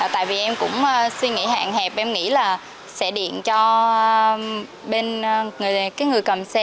tại vì em cũng suy nghĩ hạn hẹp em nghĩ là sẽ điện cho bên người cầm xe